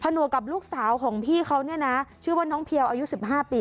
หนวกกับลูกสาวของพี่เขาเนี่ยนะชื่อว่าน้องเพียวอายุ๑๕ปี